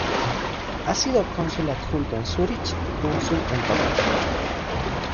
Ha sido Cónsul Adjunto en Zúrich y Cónsul en Rabat.